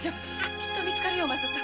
きっと見つかるよお政さん。